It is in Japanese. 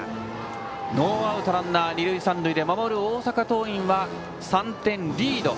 ノーアウトランナー、二塁三塁で守る大阪桐蔭は３点リード。